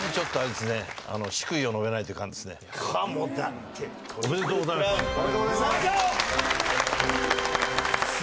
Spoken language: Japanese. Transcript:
すごい！おめでとうございます。